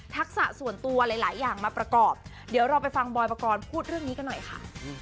ส่วนตัวหลายอย่างมาประกอบเดี๋ยวเราไปฟังบอยปกรณ์พูดเรื่องนี้กันหน่อยค่ะ